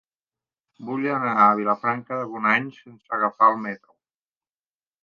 Vull anar a Vilafranca de Bonany sense agafar el metro.